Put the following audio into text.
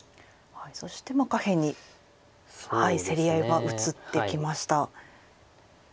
そして下辺に競り合いが移ってきました。